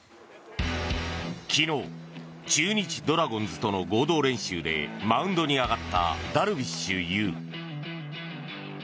昨日、中日ドラゴンズとの合同練習でマウンドに上がったダルビッシュ有。